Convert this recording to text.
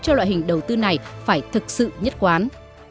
cho loại hình đầu tư này phải thực sự nhất quán